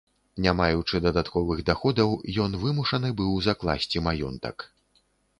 Не маючы дадатковых даходаў, ён вымушаны быў закласці маёнтак.